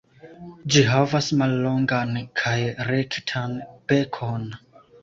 Ĝi havas mallongan kaj rektan bekon.